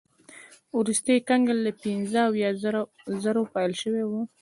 وروستی کنګل له پنځه اویا زرو پیل شوی و.